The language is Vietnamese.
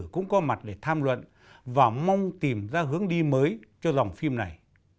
cũng có mặt để tham luận và mong tìm ra hướng đi mới cho dòng phim này